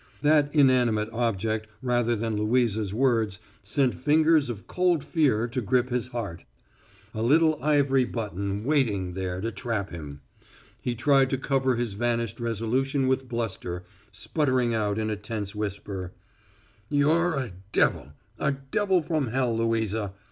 That inanimate object rather than Louisa's words sent fingers of cold fear to grip his heart. A little ivory button waiting there to trap him! He tried to cover his vanished resolution with bluster, sputtering out in a tense whisper: "You're a devil a devil from hell, Louisa!